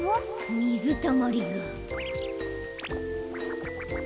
みずたまりが。